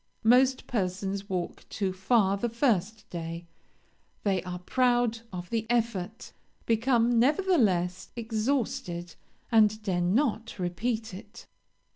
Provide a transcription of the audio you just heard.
Most persons walk too far the first day; they are proud of the effort, become, nevertheless, exhausted, and dare not repeat it.